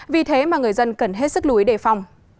vì thế mà người dân cần hết sức lúi đề phòng